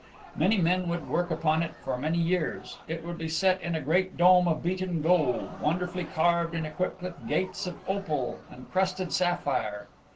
Many men would work upon it for many years. It would be set in a great dome of beaten gold, wonderfully carved and equipped with gates of opal and crusted sapphire.